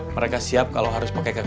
mereka siap kalau harus pakai kaki